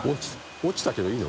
落ちたけどいいの？